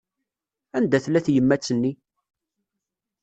Anda tella tyemmat-nni?